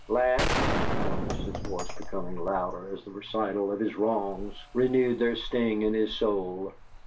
"Laughed," said Jonas, his voice becoming louder as the recital of his wrongs renewed their sting in his soul.